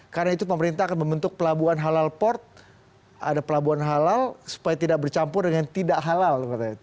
karena itu pemerintah akan membentuk pelabuhan halal port ada pelabuhan halal supaya tidak bercampur dengan tidak halal